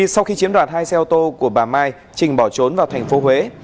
sau khi chiếm đoạt hai xe ô tô của bà mai trình bỏ trốn vào thành phố huế